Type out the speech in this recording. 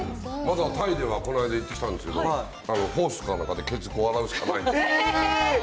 タイでは、この間行ってきたんですけど、ホースかなんかでけつ洗うしかないんです。